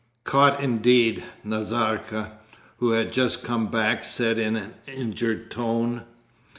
'Caught indeed,' Nazarka, who had just come back, said in an injured tone.